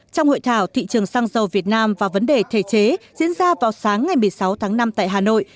trong hội thảo thị trường xăng dầu việt nam và vấn đề thể chế diễn ra vào sáng ngày một mươi sáu tháng năm tại hà nội